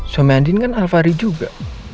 suami andien kan alvari juga